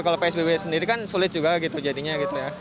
kalau psbb sendiri kan sulit juga gitu jadinya gitu ya